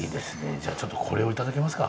じゃあちょっとこれを頂けますか？